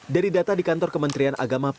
dari upah tersebut ia menyisikan rp tiga puluh